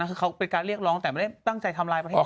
คือเขาเป็นการเรียกร้องแต่ไม่ได้ตั้งใจทำลายประเทศ